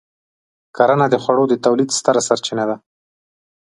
کرنه د خوړو د تولید ستره سرچینه ده.